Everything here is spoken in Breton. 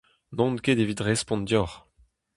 N'on ket evit respont deoc'h.